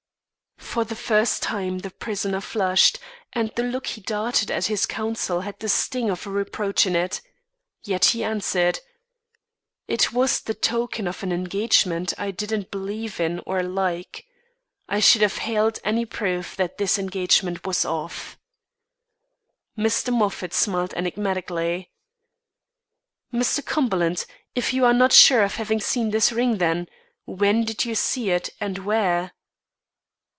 For the first time the prisoner flushed and the look he darted at his counsel had the sting of a reproach in it. Yet he answered: "It was the token of an engagement I didn't believe in or like. I should have hailed any proof that this engagement was off." Mr. Moffat smiled enigmatically. "Mr. Cumberland, if you are not sure of having seen this ring then, when did you see it and where?"